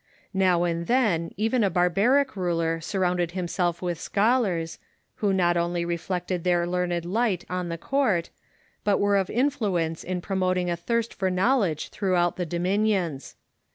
Now and then even a barbaric ruler surrounded himself Avith scholars, who not only reflected their learned light on the court, but were of influence in promoting a thirst for knowledge throughout the dominions.